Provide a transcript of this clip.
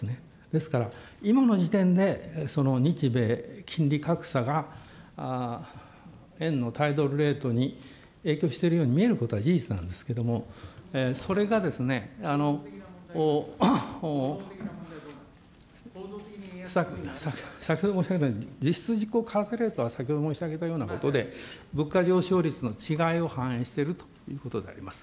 ですから今の時点でその日米金利格差が円の対ドルレートに影響してるように見えることは事実なんですけれども、それが、先ほど申し上げたように、実質実効為替レートは、先ほど申し上げたようなことで、物価上昇率の違いを反映しているということであります。